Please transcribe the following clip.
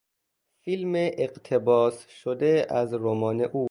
فیلم اقتباس شده از رمان او